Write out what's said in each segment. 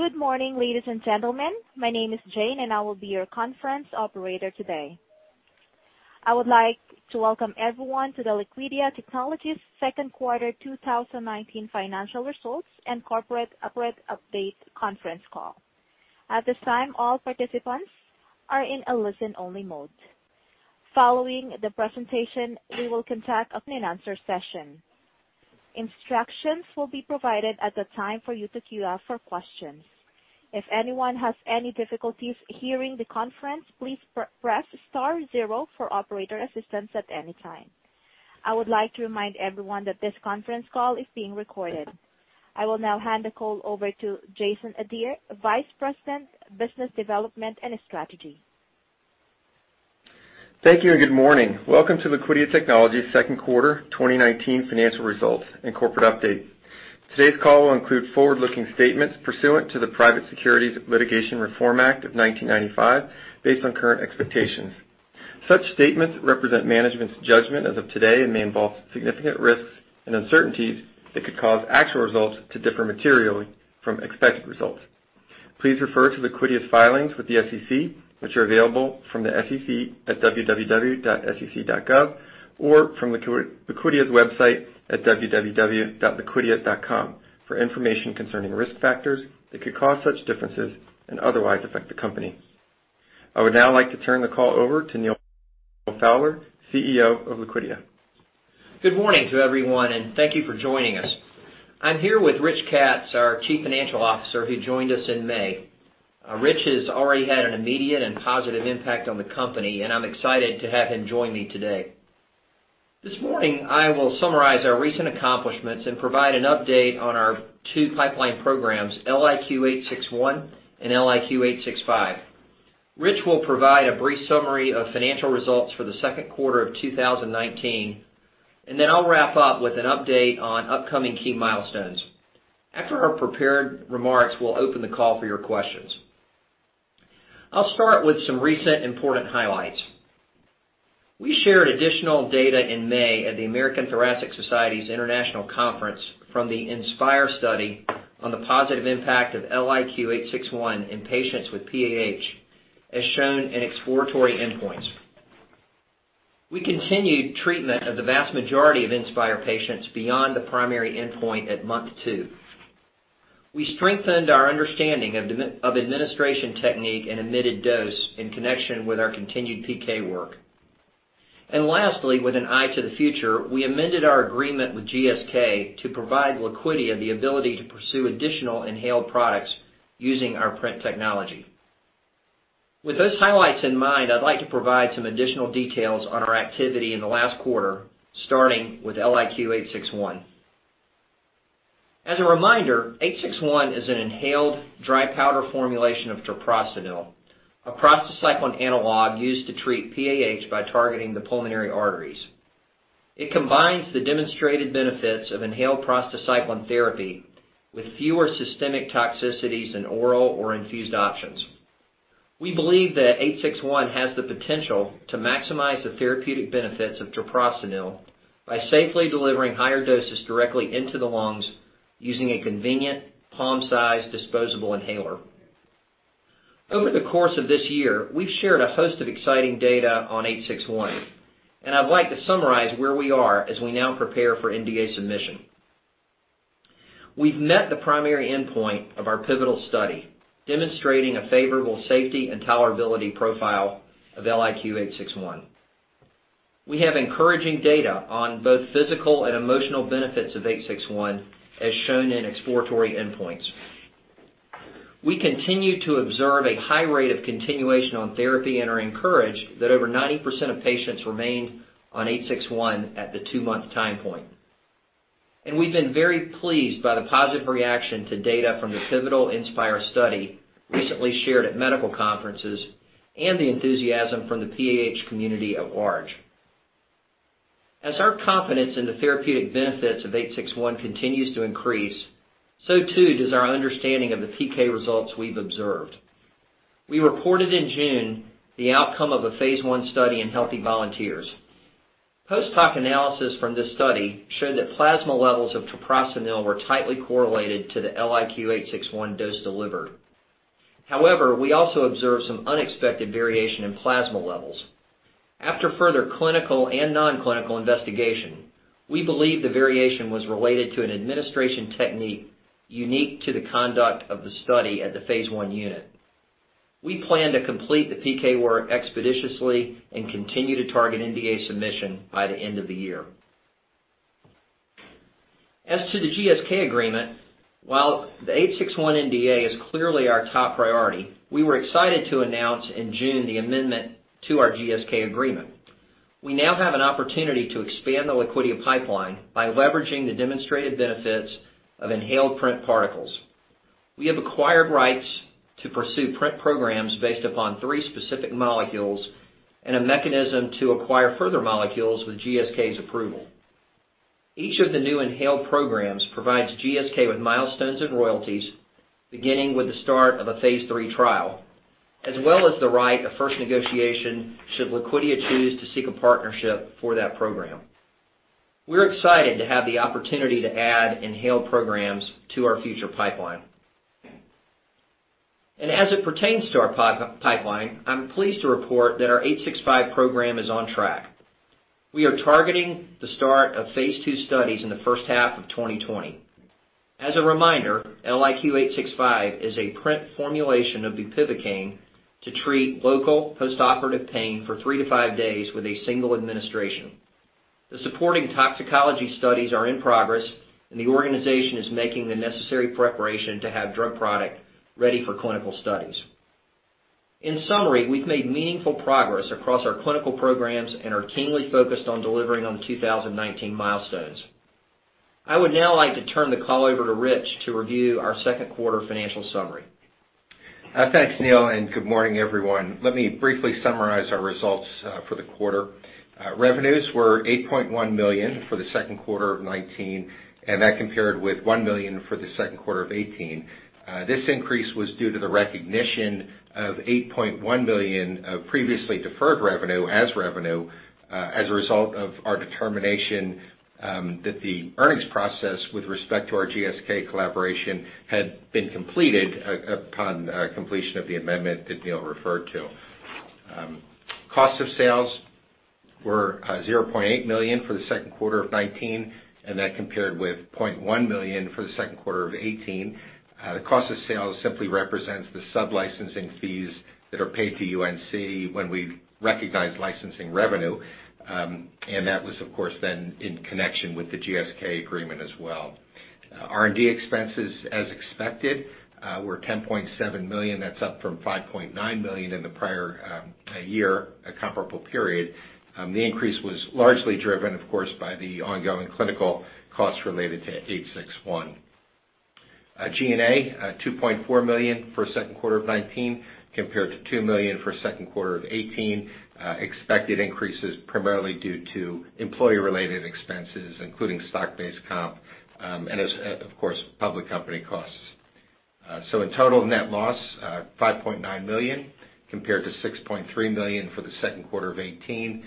Good morning, ladies and gentlemen. My name is Jane, and I will be your conference operator today. I would like to welcome everyone to the Liquidia Technologies second quarter 2019 financial results and corporate update conference call. At this time, all participants are in a listen-only mode. Following the presentation, we will conduct an answer session. Instructions will be provided at the time for you to queue up for questions. If anyone has any difficulties hearing the conference, please press star zero for operator assistance at any time. I would like to remind everyone that this conference call is being recorded. I will now hand the call over to Jason Adair, Vice President, Business Development and Strategy. Thank you and good morning. Welcome to Liquidia Technologies second quarter 2019 financial results and corporate update. Today's call will include forward-looking statements pursuant to the Private Securities Litigation Reform Act of 1995, based on current expectations. Such statements represent management's judgment as of today and may involve significant risks and uncertainties that could cause actual results to differ materially from expected results. Please refer to Liquidia's filings with the SEC, which are available from the SEC at www.sec.gov or from Liquidia's website at www.liquidia.com for information concerning risk factors that could cause such differences and otherwise affect the company. I would now like to turn the call over to Neal Fowler, CEO of Liquidia. Good morning to everyone. Thank you for joining us. I'm here with Richard Katz, our Chief Financial Officer, who joined us in May. Rich has already had an immediate and positive impact on the company, and I'm excited to have him join me today. This morning, I will summarize our recent accomplishments and provide an update on our two pipeline programs, LIQ861 and LIQ865. Rich will provide a brief summary of financial results for the second quarter of 2019, and then I'll wrap up with an update on upcoming key milestones. After our prepared remarks, we'll open the call for your questions. I'll start with some recent important highlights. We shared additional data in May at the American Thoracic Society's international conference from the INSPIRE study on the positive impact of LIQ861 in patients with PAH, as shown in exploratory endpoints. We continued treatment of the vast majority of INSPIRE patients beyond the primary endpoint at month two. We strengthened our understanding of administration technique and emitted dose in connection with our continued PK work. Lastly, with an eye to the future, we amended our agreement with GSK to provide Liquidia the ability to pursue additional inhaled products using our PRINT technology. With those highlights in mind, I'd like to provide some additional details on our activity in the last quarter, starting with LIQ861. As a reminder, LIQ861 is an inhaled dry powder formulation of treprostinil, a prostacyclin analog used to treat PAH by targeting the pulmonary arteries. It combines the demonstrated benefits of inhaled prostacyclin therapy with fewer systemic toxicities than oral or infused options. We believe that LIQ861 has the potential to maximize the therapeutic benefits of treprostinil by safely delivering higher doses directly into the lungs using a convenient palm-sized disposable inhaler. Over the course of this year, we've shared a host of exciting data on LIQ861. I'd like to summarize where we are as we now prepare for NDA submission. We've met the primary endpoint of our pivotal study, demonstrating a favorable safety and tolerability profile of LIQ861. We have encouraging data on both physical and emotional benefits of LIQ861, as shown in exploratory endpoints. We continue to observe a high rate of continuation on therapy and are encouraged that over 90% of patients remained on LIQ861 at the 2-month time point. We've been very pleased by the positive reaction to data from the pivotal INSPIRE study recently shared at medical conferences and the enthusiasm from the PAH community at large. As our confidence in the therapeutic benefits of LIQ861 continues to increase, so too does our understanding of the PK results we've observed. We reported in June the outcome of a phase I study in healthy volunteers. Post hoc analysis from this study showed that plasma levels of treprostinil were tightly correlated to the LIQ861 dose delivered. However, we also observed some unexpected variation in plasma levels. After further clinical and non-clinical investigation, we believe the variation was related to an administration technique unique to the conduct of the study at the phase I unit. We plan to complete the PK work expeditiously and continue to target NDA submission by the end of the year. As to the GSK agreement, while the LIQ861 NDA is clearly our top priority, we were excited to announce in June the amendment to our GSK agreement. We now have an opportunity to expand the Liquidia pipeline by leveraging the demonstrated benefits of inhaled PRINT particles. We have acquired rights to pursue PRINT programs based upon three specific molecules and a mechanism to acquire further molecules with GSK's approval. Each of the new inhaled programs provides GSK with milestones and royalties, beginning with the start of a phase III trial, as well as the right of first negotiation should Liquidia choose to seek a partnership for that program. We're excited to have the opportunity to add inhaled programs to our future pipeline. As it pertains to our pipeline, I'm pleased to report that our LIQ865 program is on track. We are targeting the start of phase II studies in the first half of 2020. As a reminder, LIQ865 is a PRINT formulation of bupivacaine to treat local postoperative pain for three to five days with a single administration. The supporting toxicology studies are in progress, and the organization is making the necessary preparation to have drug product ready for clinical studies. In summary, we've made meaningful progress across our clinical programs and are keenly focused on delivering on the 2019 milestones. I would now like to turn the call over to Rich to review our second quarter financial summary. Thanks, Neal. Good morning, everyone. Let me briefly summarize our results for the quarter. Revenues were $8.1 million for the second quarter of 2019, and that compared with $1 million for the second quarter of 2018. This increase was due to the recognition of $8.1 million of previously deferred revenue as revenue as a result of our determination that the earnings process with respect to our GSK collaboration had been completed upon completion of the amendment that Neal referred to. Cost of sales were $0.8 million for the second quarter of 2019, and that compared with $0.1 million for the second quarter of 2018. The cost of sales simply represents the sub-licensing fees that are paid to UNC when we recognize licensing revenue, and that was, of course, then in connection with the GSK agreement as well. R&D expenses, as expected, were $10.7 million. That's up from $5.9 million in the prior year, a comparable period. The increase was largely driven, of course, by the ongoing clinical costs related to 861. G&A, $2.4 million for the second quarter of 2019, compared to $2 million for second quarter of 2018. Expected increases primarily due to employee-related expenses, including stock-based comp, and of course, public company costs. In total net loss, $5.9 million compared to $6.3 million for the second quarter of 2018.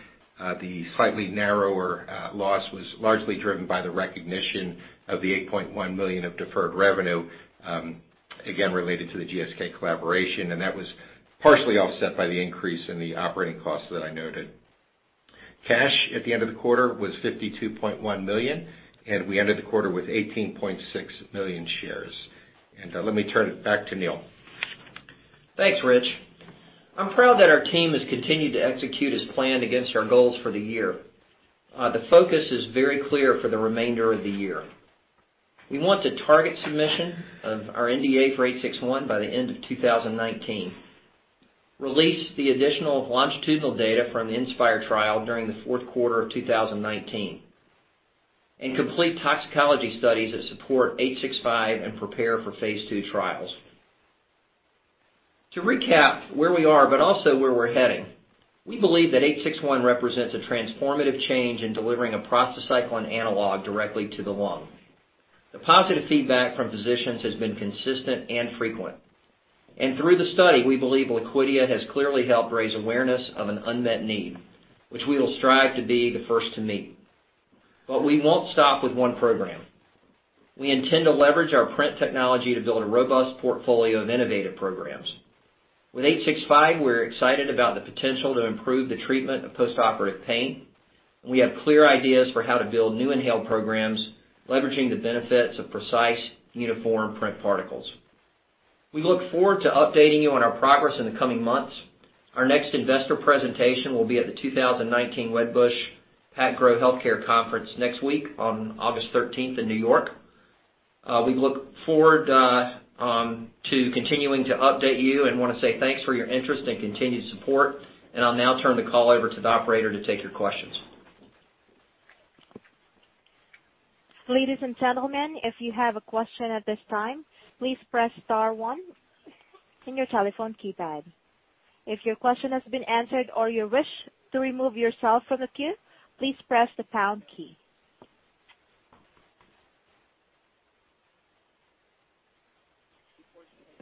The slightly narrower loss was largely driven by the recognition of the $8.1 million of deferred revenue, again, related to the GSK collaboration, and that was partially offset by the increase in the operating costs that I noted. Cash at the end of the quarter was $52.1 million, and we ended the quarter with 18.6 million shares. Let me turn it back to Neal. Thanks, Rich. I'm proud that our team has continued to execute as planned against our goals for the year. The focus is very clear for the remainder of the year. We want to target submission of our NDA for LIQ861 by the end of 2019, release the additional longitudinal data from the INSPIRE trial during the fourth quarter of 2019, and complete toxicology studies that support LIQ865 and prepare for phase II trials. To recap where we are but also where we're heading, we believe that LIQ861 represents a transformative change in delivering a prostacyclin analog directly to the lung. The positive feedback from physicians has been consistent and frequent. Through the study, we believe Liquidia has clearly helped raise awareness of an unmet need, which we will strive to be the first to meet. We won't stop with one program. We intend to leverage our PRINT technology to build a robust portfolio of innovative programs. With 865, we're excited about the potential to improve the treatment of postoperative pain, and we have clear ideas for how to build new inhaled programs leveraging the benefits of precise uniform PRINT particles. We look forward to updating you on our progress in the coming months. Our next investor presentation will be at the 2019 Wedbush PacGrow Healthcare Conference next week on August 13th in New York. We look forward to continuing to update you and want to say thanks for your interest and continued support, and I'll now turn the call over to the operator to take your questions. Ladies and gentlemen, if you have a question at this time, please press star one on your telephone keypad. If your question has been answered or you wish to remove yourself from the queue, please press the pound key.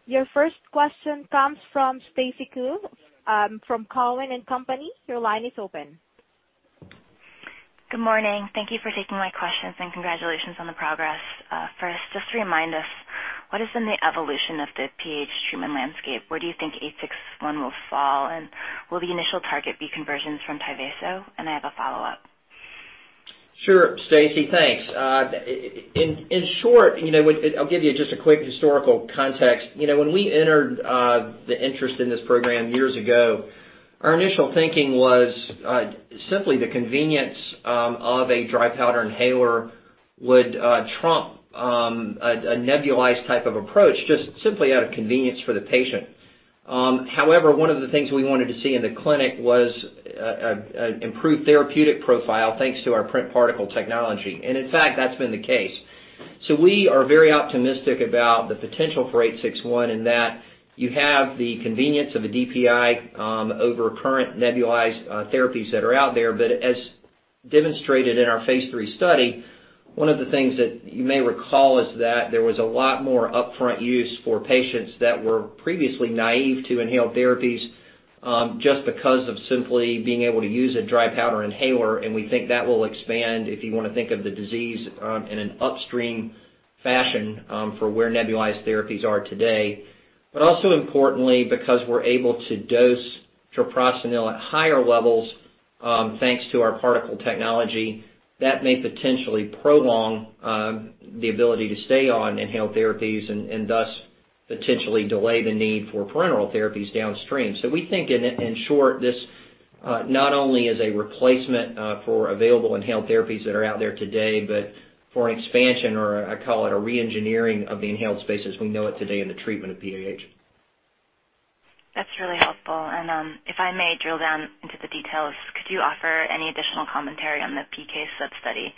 Your first question comes from Stacy Ku from Cowen and Company. Your line is open. Good morning. Thank you for taking my questions, and congratulations on the progress. First, just to remind us, what has been the evolution of the PAH treatment landscape? Where do you think LIQ861 will fall? Will the initial target be conversions from TYVASO? I have a follow-up. Sure, Stacy. Thanks. In short, I'll give you just a quick historical context. When we entered the interest in this program years ago, our initial thinking was simply the convenience of a dry powder inhaler would trump a nebulized type of approach just simply out of convenience for the patient. One of the things we wanted to see in the clinic was an improved therapeutic profile thanks to our PRINT particle technology. In fact, that's been the case. We are very optimistic about the potential for LIQ861 in that you have the convenience of a DPI over current nebulized therapies that are out there. As demonstrated in our phase III study, one of the things that you may recall is that there was a lot more upfront use for patients that were previously naive to inhaled therapies, just because of simply being able to use a dry powder inhaler, and we think that will expand, if you want to think of the disease in an upstream fashion for where nebulized therapies are today. Also importantly, because we're able to dose treprostinil at higher levels thanks to our particle technology. That may potentially prolong the ability to stay on inhaled therapies and thus potentially delay the need for parenteral therapies downstream. We think, in short, this not only is a replacement for available inhaled therapies that are out there today, but for an expansion, or I call it a re-engineering of the inhaled space as we know it today in the treatment of PAH. That's really helpful. If I may drill down into the details, could you offer any additional commentary on the PK sub-study?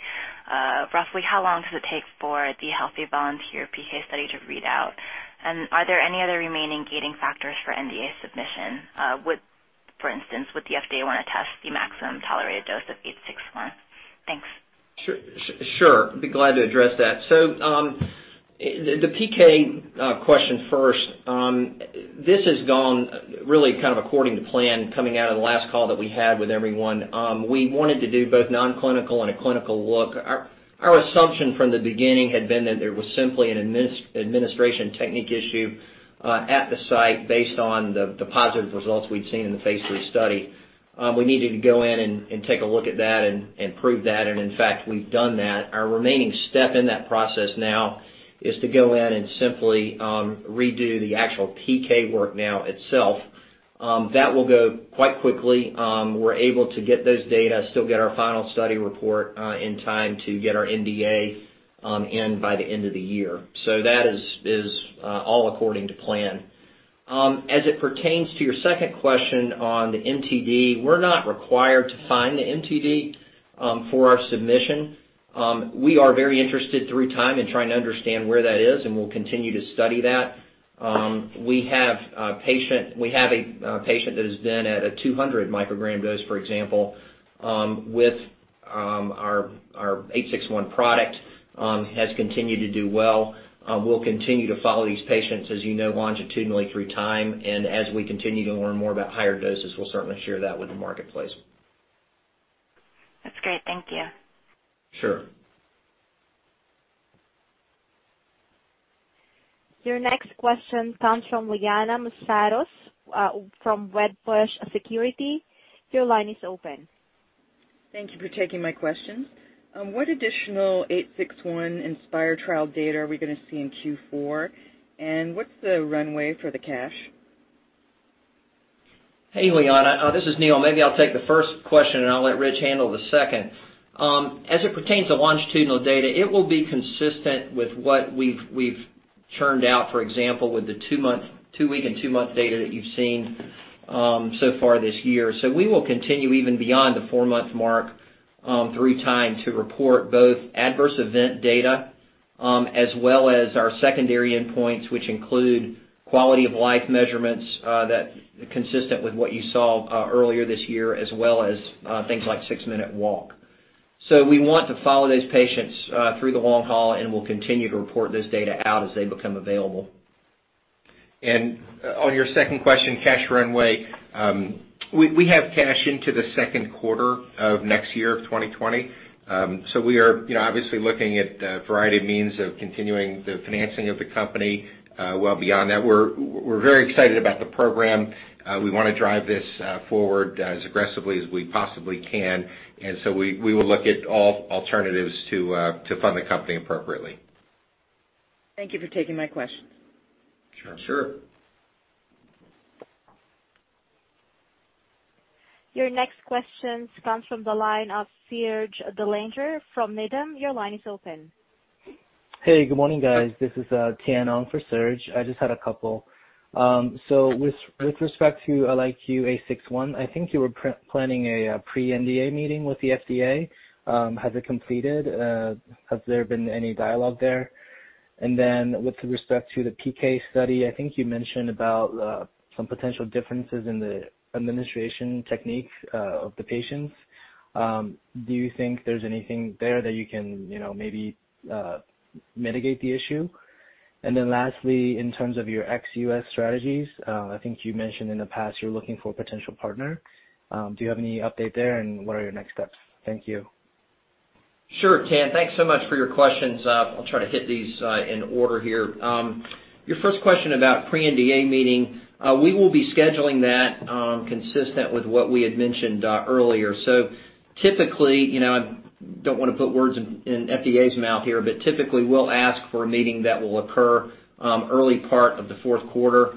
Roughly how long does it take for the healthy volunteer PK study to read out? Are there any other remaining gating factors for NDA submission? For instance, would the FDA want to test the maximum tolerated dose of LIQ861? Thanks. Sure. I'd be glad to address that. The PK question first. This has gone really according to plan coming out of the last call that we had with everyone. We wanted to do both non-clinical and a clinical look. Our assumption from the beginning had been that there was simply an administration technique issue at the site based on the positive results we'd seen in the phase III study. We needed to go in and take a look at that and prove that, and in fact, we've done that. Our remaining step in that process now is to go in and simply redo the actual PK work now itself. That will go quite quickly. We're able to get those data, still get our final study report in time to get our NDA in by the end of the year. That is all according to plan. As it pertains to your second question on the MTD, we're not required to find the MTD for our submission. We are very interested through time in trying to understand where that is, and we'll continue to study that. We have a patient that has been at a 200 microgram dose, for example, with our LIQ861 product. Has continued to do well. We'll continue to follow these patients, as you know, longitudinally through time, and as we continue to learn more about higher doses, we'll certainly share that with the marketplace. That's great. Thank you. Sure. Your next question comes from Liana Moussatos from Wedbush Securities. Your line is open. Thank you for taking my questions. What additional eight six one INSPIRE trial data are we going to see in Q4? What's the runway for the cash? Hey, Liana. This is Neal. Maybe I'll take the first question, and I'll let Rich handle the second. As it pertains to longitudinal data, it will be consistent with what we've churned out, for example, with the two-week and two-month data that you've seen so far this year. We will continue even beyond the four-month mark through time to report both adverse event data as well as our secondary endpoints, which include quality-of-life measurements that are consistent with what you saw earlier this year, as well as things like six-minute walk. We want to follow those patients through the long haul, and we'll continue to report those data out as they become available. On your second question, cash runway, we have cash into the second quarter of next year of 2020. We are obviously looking at a variety of means of continuing the financing of the company well beyond that. We're very excited about the program. We want to drive this forward as aggressively as we possibly can, and so we will look at all alternatives to fund the company appropriately. Thank you for taking my questions. Sure. Sure. Your next question comes from the line of Serge Belanger from Needham. Your line is open. Hey, good morning, guys. This is Tan Ong for Serge. I just had a couple. With respect to LIQ861, I think you were planning a pre-NDA meeting with the FDA. Has it completed? Has there been any dialogue there? With respect to the PK study, I think you mentioned about some potential differences in the administration technique of the patients. Do you think there's anything there that you can maybe mitigate the issue? Lastly, in terms of your ex-US strategies, I think you mentioned in the past you're looking for a potential partner. Do you have any update there, and what are your next steps? Thank you. Sure, Tan. Thanks so much for your questions. I'll try to hit these in order here. Your first question about pre-NDA meeting, we will be scheduling that consistent with what we had mentioned earlier. Typically, I don't want to put words in FDA's mouth here, but typically, we'll ask for a meeting that will occur early part of the fourth quarter,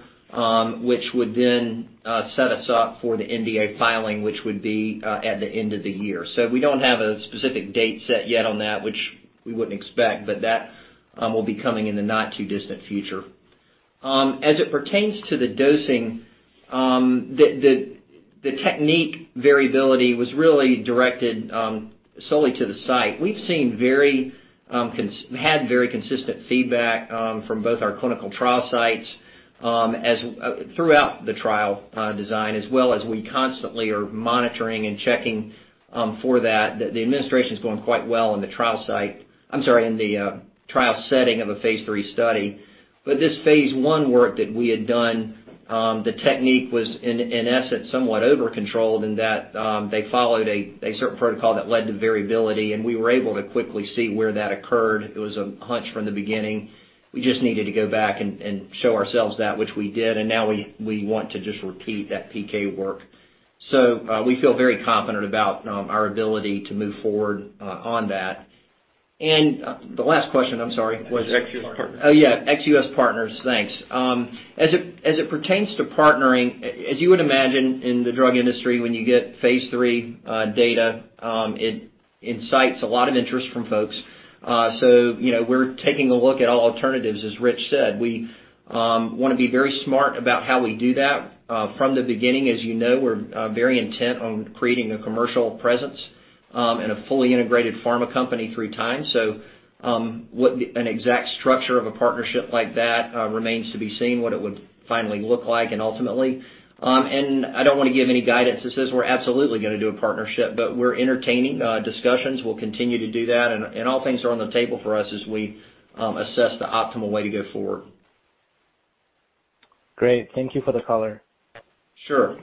which would then set us up for the NDA filing, which would be at the end of the year. We don't have a specific date set yet on that, which we wouldn't expect, but that will be coming in the not-too-distant future. As it pertains to the dosing, the technique variability was really directed solely to the site. We've had very consistent feedback from both our clinical trial sites throughout the trial design, as well as we constantly are monitoring and checking for that. The administration's going quite well in the trial site-- I'm sorry, in the trial setting of a phase III study. This phase I work that we had done, the technique was in essence, somewhat overcontrolled in that they followed a certain protocol that led to variability, and we were able to quickly see where that occurred. It was a hunch from the beginning. We just needed to go back and show ourselves that, which we did, and now we want to just repeat that PK work. We feel very confident about our ability to move forward on that. The last question, I'm sorry, was. Ex U.S. partners. Oh, yeah, Ex-U.S. partners. Thanks. As it pertains to partnering, as you would imagine in the drug industry, when you get phase III data, it incites a lot of interest from folks. We're taking a look at all alternatives, as Rich said. We want to be very smart about how we do that. From the beginning, as you know, we're very intent on creating a commercial presence and a fully integrated pharma company through time. What an exact structure of a partnership like that remains to be seen, what it would finally look like and ultimately. I don't want to give any guidance that says we're absolutely going to do a partnership, but we're entertaining discussions. We'll continue to do that, all things are on the table for us as we assess the optimal way to go forward. Great. Thank you for the color. Sure.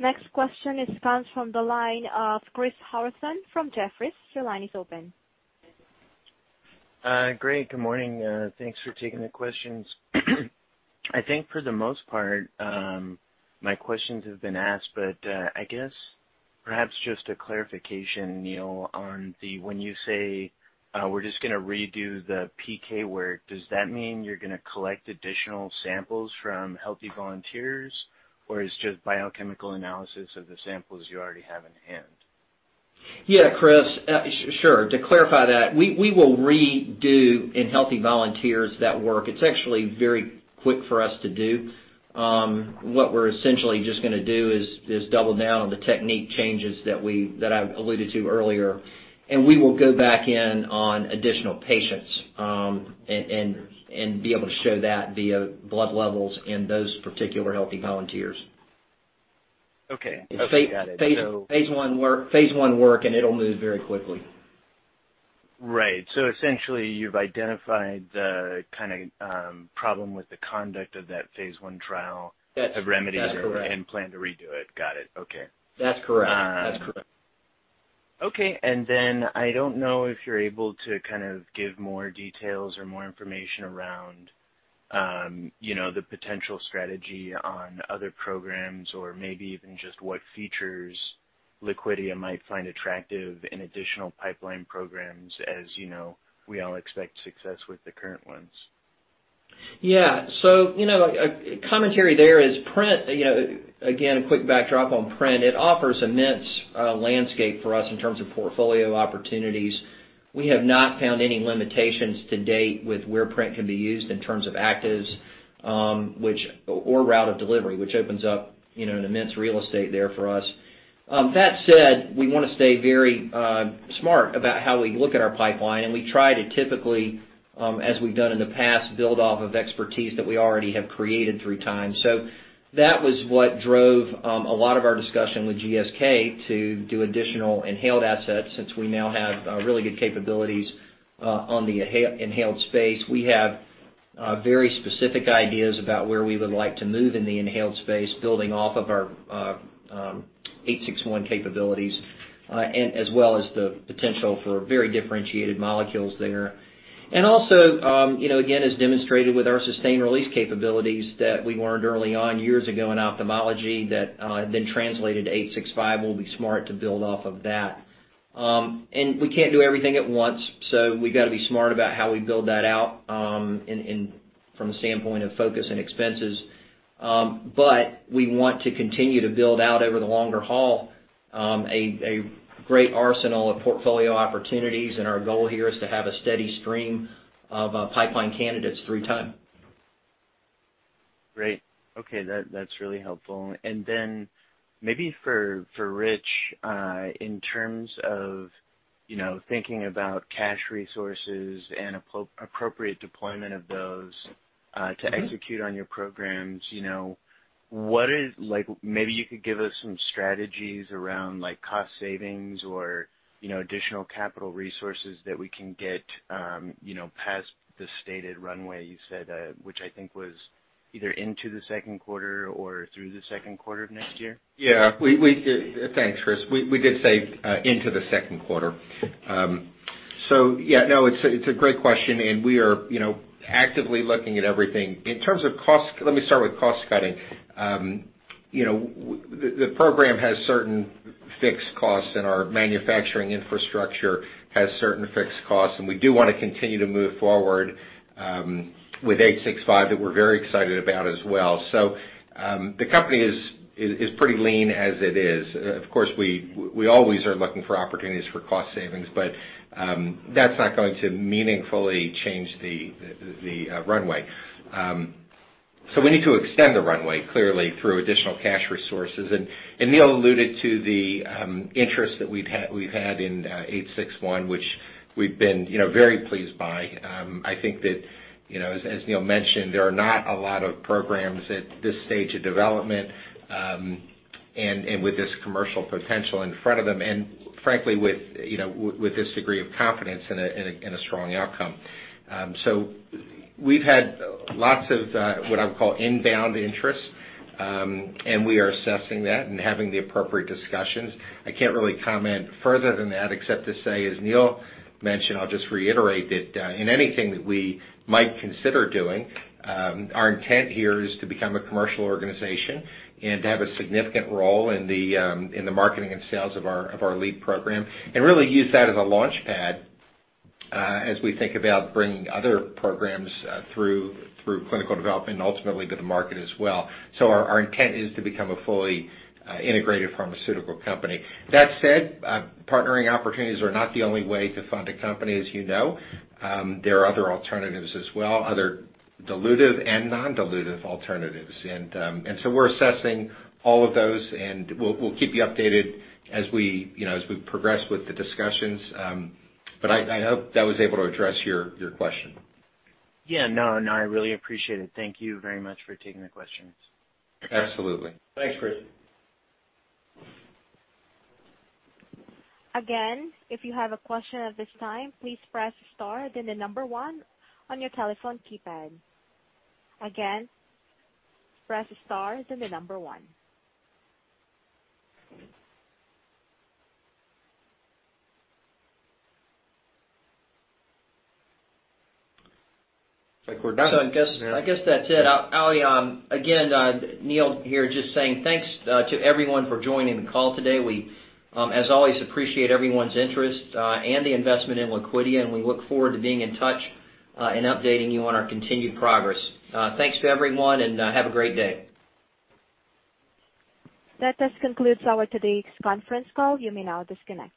Next question comes from the line of Chris Harrison from Jefferies. Your line is open. Great. Good morning. Thanks for taking the questions. I think for the most part, my questions have been asked, but, I guess perhaps just a clarification, Neal, on when you say, we're just going to redo the PK work, does that mean you're going to collect additional samples from healthy volunteers, or it's just biochemical analysis of the samples you already have in hand? Yeah, Chris. Sure. To clarify that, we will redo in healthy volunteers that work. It is actually very quick for us to do. What we are essentially just going to do is double down on the technique changes that I have alluded to earlier, and we will go back in on additional patients, and be able to show that via blood levels in those particular healthy volunteers. Okay. Got it. phase I work, it'll move very quickly. Right. Essentially, you've identified the kind of problem with the conduct of that phase I trial. That's correct. have remedied it and plan to redo it. Got it. Okay. That's correct. Okay. I don't know if you're able to give more details or more information around the potential strategy on other programs or maybe even just what features Liquidia might find attractive in additional pipeline programs, as we all expect success with the current ones. Yeah. Commentary there is PRINT, again, a quick backdrop on PRINT. It offers immense landscape for us in terms of portfolio opportunities. We have not found any limitations to date with where PRINT can be used in terms of actives, or route of delivery, which opens up an immense real estate there for us. That said, we want to stay very smart about how we look at our pipeline, and we try to typically, as we've done in the past, build off of expertise that we already have created through time. That was what drove a lot of our discussion with GSK to do additional inhaled assets, since we now have really good capabilities on the inhaled space. We have very specific ideas about where we would like to move in the inhaled space, building off of our LIQ861 capabilities, as well as the potential for very differentiated molecules there. Also, again, as demonstrated with our sustained release capabilities that we learned early on, years ago in ophthalmology that then translated to 865, we'll be smart to build off of that. We can't do everything at once, we've got to be smart about how we build that out from the standpoint of focus and expenses. We want to continue to build out over the longer haul, a great arsenal of portfolio opportunities, our goal here is to have a steady stream of pipeline candidates through time. Great. Okay. That's really helpful. Then maybe for Rich, in terms of thinking about cash resources and appropriate deployment of those to execute on your programs, maybe you could give us some strategies around cost savings or additional capital resources that we can get past the stated runway you said, which I think was either into the second quarter or through the second quarter of next year. Yeah. Thanks, Chris. We did say into the second quarter. Yeah, no, it's a great question, and we are actively looking at everything. In terms of cost, let me start with cost-cutting. The program has certain fixed costs and our manufacturing infrastructure has certain fixed costs, and we do want to continue to move forward with LIQ865, that we're very excited about as well. The company is pretty lean as it is. Of course, we always are looking for opportunities for cost savings, but that's not going to meaningfully change the runway. We need to extend the runway clearly through additional cash resources. Neal alluded to the interest that we've had in LIQ861, which we've been very pleased by. I think that, as Neal mentioned, there are not a lot of programs at this stage of development, and with this commercial potential in front of them, and frankly, with this degree of confidence in a strong outcome. We've had lots of what I would call inbound interest, and we are assessing that and having the appropriate discussions. I can't really comment further than that except to say, as Neal mentioned, I'll just reiterate that in anything that we might consider doing, our intent here is to become a commercial organization and to have a significant role in the marketing and sales of our lead program and really use that as a launchpad as we think about bringing other programs through clinical development and ultimately to the market as well. Our intent is to become a fully integrated pharmaceutical company. That said, partnering opportunities are not the only way to fund a company as you know. There are other alternatives as well, other dilutive and non-dilutive alternatives. We're assessing all of those, and we'll keep you updated as we progress with the discussions. I hope that was able to address your question. Yeah. No, I really appreciate it. Thank you very much for taking the questions. Absolutely. Thanks, Chris. Again, if you have a question at this time, please press star, then the number one on your telephone keypad. Again, press star, then the number one. I think we're done. I guess that's it. Ali, again, Neal here just saying thanks to everyone for joining the call today. We, as always, appreciate everyone's interest, and the investment in Liquidia, and we look forward to being in touch, and updating you on our continued progress. Thanks to everyone, and have a great day. That does conclude our today's conference call. You may now disconnect.